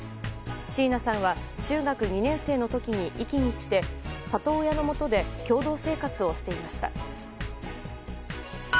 椎名さんは中学２年生の時に壱岐に来て里親のもとで共同生活をしていました。